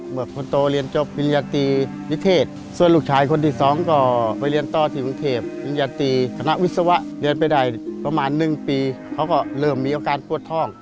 วิศวะเรียนไปได้ประมาณหนึ่งปีเขาก็เริ่มมีโอกาสพวดท่อง